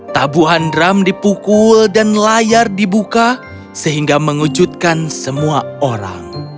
tabuhan drum dipukul dan layar dibuka sehingga mengejutkan semua orang